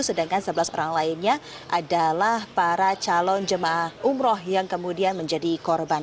sedangkan sebelas orang lainnya adalah para calon jemaah umroh yang kemudian menjadi korban